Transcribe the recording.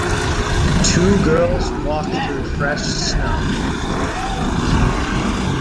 Two girls walk through fresh snow.